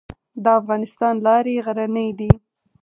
د افغانستان لارې غرنۍ دي